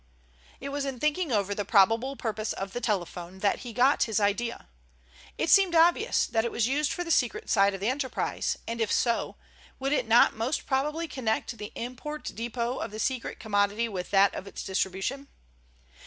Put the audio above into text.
It was in thinking over the probable purpose of the telephone that he got his idea. It seemed obvious that it was used for the secret side of the enterprise, and if so, would it not most probably connect the import depot of the secret commodity with that of its distribution?